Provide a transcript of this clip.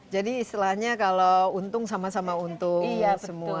jadi istilahnya kalau untung sama sama untung semua